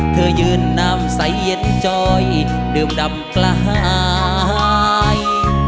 เธอยืนน้ำใสเย็นจอยดื่มดำกระหาย